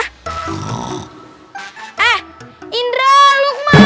eh indra lukmar